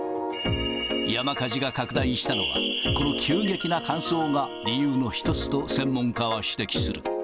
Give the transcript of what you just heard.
山火事が拡大したのは、この急激な乾燥が理由の一つと専門家は指摘する。